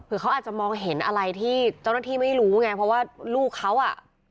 คือเขาอาจจะมองเห็นอะไรที่เจ้าหน้าที่ไม่รู้ไงเพราะว่าลูกเขาอ่ะ